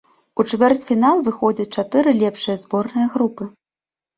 У чвэрцьфінал выходзяць чатыры лепшыя зборныя групы.